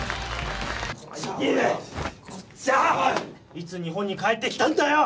いつ日本に帰って来たんだよ！？